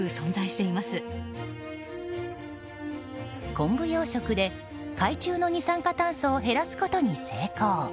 昆布養殖で海中の二酸化炭素を減らすことに成功。